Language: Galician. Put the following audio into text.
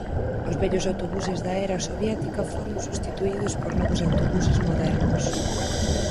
Os vellos autobuses da era soviética foron substituídos por novos autobuses modernos.